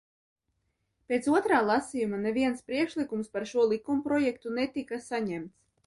Pēc otrā lasījuma neviens priekšlikums par šo likumprojektu netika saņemts.